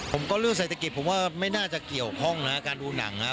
เรื่องเศรษฐกิจผมว่าไม่น่าจะเกี่ยวข้องนะการดูหนังนะครับ